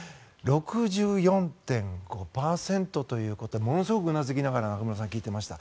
６４．５％ということでものすごくうなずきながら中室さん聞いていました。